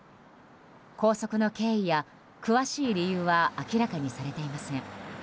拘束の経緯や詳しい理由は明らかにされていません。